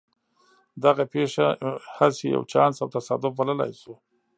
دغه پېښه هسې يو چانس او تصادف بللای شو.